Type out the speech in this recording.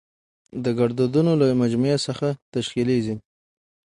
د ګړدودونو له مجموعه څخه تشکېليږي.